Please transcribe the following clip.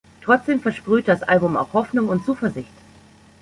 Trotzdem versprüht das Album auch Hoffnung und Zuversicht.